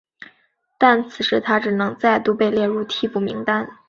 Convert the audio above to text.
但此时他只能再度被列入替补名单。